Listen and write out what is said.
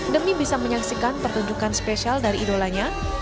demi bisa menyaksikan pertunjukan spesial dari idolanya